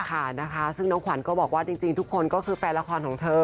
ค่ะนะคะซึ่งน้องขวัญก็บอกว่าจริงทุกคนก็คือแฟนละครของเธอ